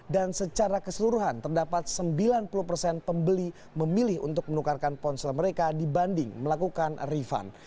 dan secara keseluruhan terdapat sembilan puluh persen pembeli memilih untuk menukarkan ponsel mereka dibanding melakukan refund